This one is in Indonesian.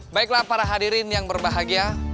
baiklah para hadirin yang berbahagia